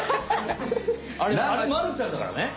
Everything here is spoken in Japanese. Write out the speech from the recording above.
あれまるちゃんだからね。